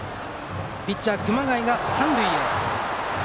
ピッチャーの熊谷が三塁へ。